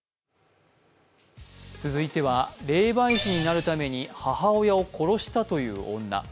続いては、霊媒師になるために母親を殺したという女。